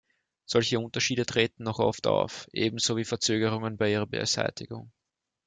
Solche Unterschiede treten noch oft auf, ebenso wie Verzögerungen bei ihrer Beseitigung.